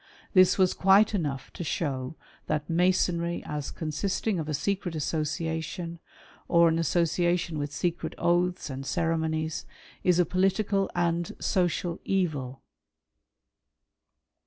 This "was quite enough to show that Masonry, as consisting of a "secret association, or an association with secret oaths and " ceremonies, is a political and social evil."